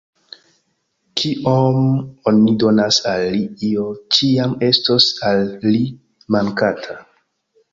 Kiom oni donas al li, io ĉiam estos al li “mankanta”.